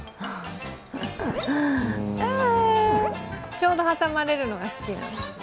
ちょうど挟まれるのが好きなの。